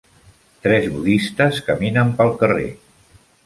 tres budistes caminen pel carrer.